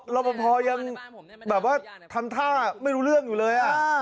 รอปภยังแบบว่าทำท่าไม่รู้เรื่องอยู่เลย